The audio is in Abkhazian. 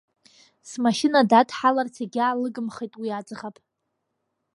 Смашьына дадҳаларц егьаалыгымхеит уи аӡӷаб.